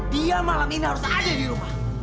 dia malam ini harus ada di rumah